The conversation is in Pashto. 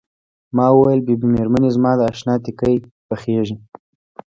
ما وویل بي بي مېرمنې زما د اشنا تیکې پخیږي.